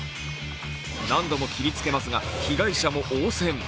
何度も切りつけますが、被害者も応戦。